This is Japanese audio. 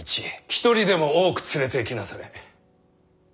一人でも多く連れていきなされ。